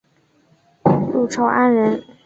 陆朝安人。